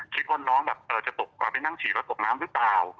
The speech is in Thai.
คิดว่าน้องแบบจะตกเอาไปนั่งฉี่รถตกน้ำหรือเปล่า